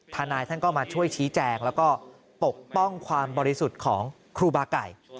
ทนายท่านก็มาช่วยชี้แจงแล้วก็ปกป้องความบริสุทธิ์ของครูบาไก่